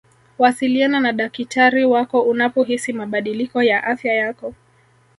wasiliana na dakitari wako unapohisi mabadiliko ya afya yako